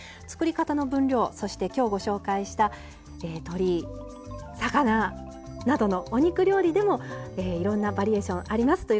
作り方の分量そして今日ご紹介した鶏魚などのお肉料理でもいろんなバリエーションあります。